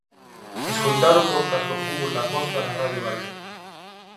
Escoitar o podcast do fútbol da Costa na Radio Galega.